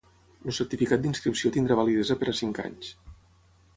El certificat d'inscripció tindrà validesa per a cinc anys.